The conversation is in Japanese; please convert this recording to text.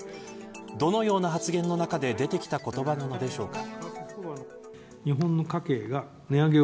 どのような発言の中で出てきた言葉なのでしょうか。